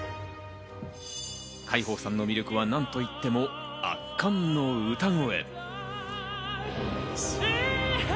海宝さんの魅力は何といっても、圧巻の歌声。